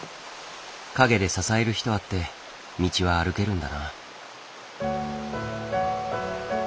陰で支える人あって道は歩けるんだな。